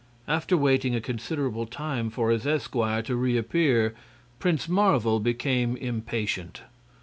After waiting a considerable time for his esquire to reappear Prince Marvel became impatient.